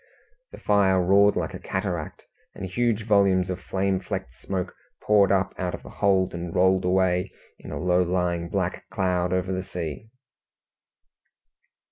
The fire roared like a cataract, and huge volumes of flame flecked smoke poured up out of the hold, and rolled away in a low lying black cloud over the sea.